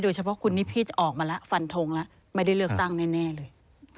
เฉพาะคุณนิพิษออกมาแล้วฟันทงแล้วไม่ได้เลือกตั้งแน่เลย